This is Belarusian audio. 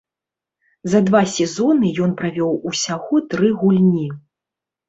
За два сезоны ён правёў усяго тры гульні.